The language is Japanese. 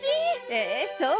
えっそう？